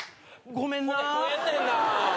ごめんな。